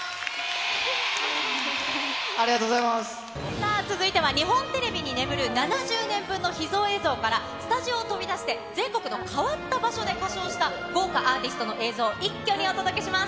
さあ続いては、日本テレビに眠る７０年分の秘蔵映像から、スタジオを飛び出して、全国の変わった場所で歌唱した、豪華アーティストの映像、一挙にお届けします。